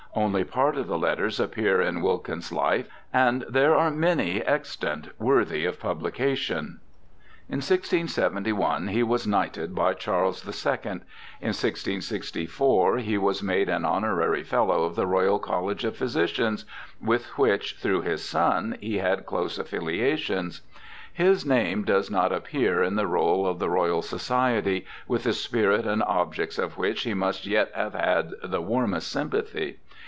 Only part of the letters appear in SIR THOMAS BROWNE 257 Wilkin's Life, and there are many extant worthy of publication. In 1671 he was knighted by Charles II. In 1664 he was made an honorary Fellow of the Royal College of Physicians, with which, through his son, he had close affiliations. His name does not appear in the roll of the Royal Society, with the spirit and objects of which he must yet have had the warmest sympathy.